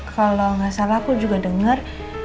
kalau gak salah aku juga denger